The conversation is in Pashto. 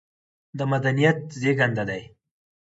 د مدنيت زېږنده دى